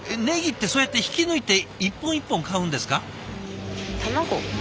ねぎってそうやって引き抜いて一本一本買うんですか？